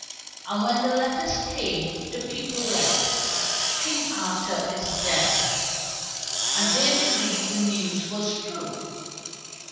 And when the letters came the people read, "King Arthur is dead," and they believed the news was true.